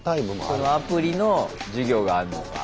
そのアプリの授業があるのか。